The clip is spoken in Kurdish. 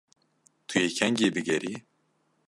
Tu yê kengî bigerî?